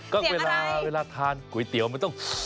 ก็เวลาทานก๋วยเตี๋ยวมันต้อง